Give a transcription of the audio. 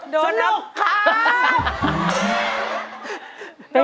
โดนสนุกครับ